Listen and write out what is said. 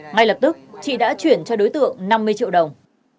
ngay lập tức chị đã chuyển cho đối tượng năm mươi triệu đồng